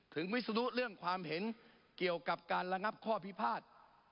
วิศนุเรื่องความเห็นเกี่ยวกับการระงับข้อพิพาท